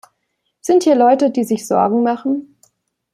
Sind hier Leute, die sich Sorgen machen?